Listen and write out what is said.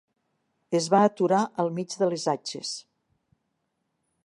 Es va aturar al mig de les atxes